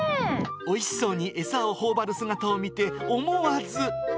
おいしそうに餌をほおばる姿を見て、思わず。